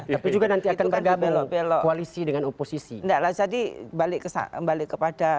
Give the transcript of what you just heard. itu juga nanti akan kabel belok polisi dengan oposisi nara jadi balik ke sana balik kepada